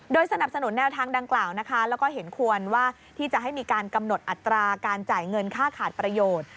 สนับสนุนแนวทางดังกล่าวนะคะแล้วก็เห็นควรว่าที่จะให้มีการกำหนดอัตราการจ่ายเงินค่าขาดประโยชน์